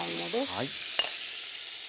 はい。